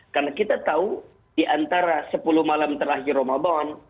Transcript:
karena kita tahu di antara sepuluh malam terakhir ramadhan